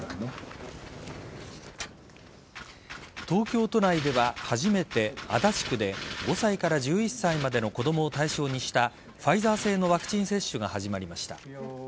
東京都内では初めて足立区で５歳から１１歳までの子供を対象にしたファイザー製のワクチン接種が始まりました。